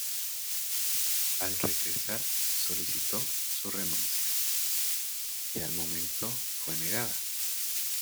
Al regresar, solicitó su renuncia, que al momento fue negada.